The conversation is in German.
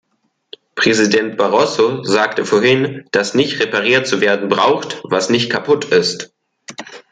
Präsident Barroso sagte vorhin, dass nicht repariert zu werden braucht, was nicht kaputt ist.